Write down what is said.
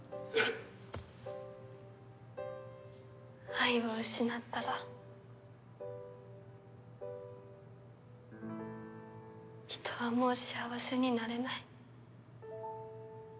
愛を失ったら人はもう幸せになれない。